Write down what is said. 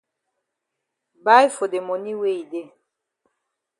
Buy for de moni wey e dey.